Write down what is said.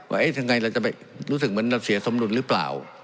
ว่ายังไงเราจะไปรู้สึกเหมือนเราเสียสมดุลหรือเปล่า